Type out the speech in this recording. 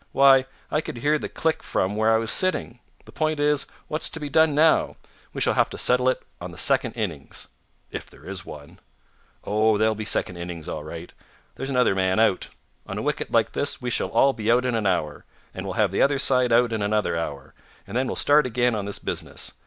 Why, I could hear the click from where I was sitting. The point is, what's to be done now? We shall have to settle it on the second innings." "If there is one." "Oh, there'll be a second innings all right. There's another man out. On a wicket like this we shall all be out in an hour, and we'll have the other side out in another hour, and then we'll start again on this business.